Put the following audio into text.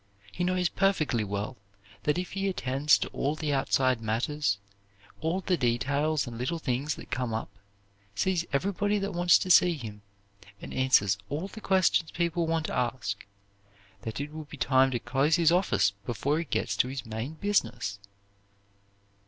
He knows perfectly well that if he attends to all the outside matters, all the details and little things that come up, sees everybody that wants to see him, and answers all the questions people want to ask, that it will be time to close his office before he gets to his main business.